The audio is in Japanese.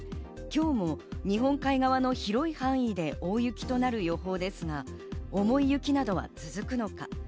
今日も日本海側の広い範囲で大雪となる予報ですが、重い雪などは続くのか？